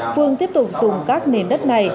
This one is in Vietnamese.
phương tiếp tục dùng các nền đất này